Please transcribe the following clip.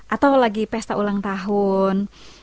atau lagi pesta ulang tahun